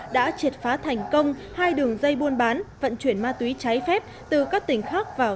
đã triệt phá thành công hai đường dây buôn bán vận chuyển ma túy trái phép từ các tỉnh khác vào